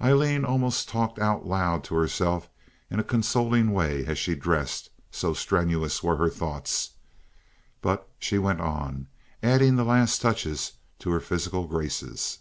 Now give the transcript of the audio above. Aileen almost talked out loud to herself in a consoling way as she dressed, so strenuous were her thoughts; but she went on, adding the last touches to her physical graces.